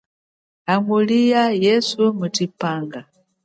Hangulia nguna yeswe mutshipanga.